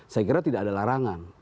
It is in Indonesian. saya kira tidak ada larangan